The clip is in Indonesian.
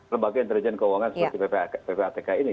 lembaga intelijen keuangan seperti ppatk ini